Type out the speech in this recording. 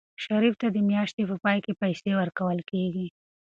شریف ته د میاشتې په پای کې پیسې ورکول کېږي.